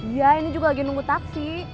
iya ini juga lagi nunggu taksi